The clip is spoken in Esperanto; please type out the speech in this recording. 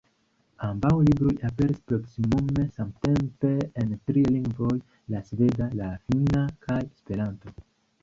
Ambaŭ libroj aperis proksimume samtempe en tri lingvoj, la sveda, la finna kaj Esperanto.